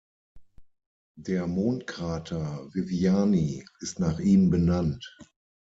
Der Mondkrater Viviani ist nach ihm benannt.